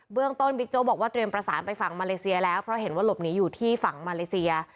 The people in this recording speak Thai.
เรื่องต้นบิ๊กโจ๊กบอกว่าเตรียมประสานไปฝั่งมาเลเซียแล้วเพราะเห็นว่าหลบหนีอยู่ที่ฝั่งมาเลเซีย